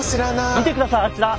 見てくださいあちら。